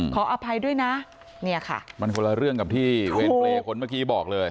ขออภัยด้วยนะมันคนละเรื่องกับที่เวรเปลวคนเมื่อกี้บอกเลย